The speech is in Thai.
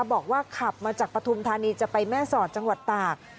บอกว่าขับมาจากปฐุมธานีจะไปแม่สอดจังหวัดตาก